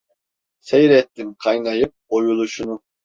Seyrettim kaynayıp oyuluşunu.